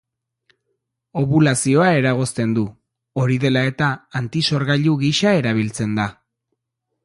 Obulazioa eragozten du; hori dela eta, antisorgailu gisa erabiltzen da.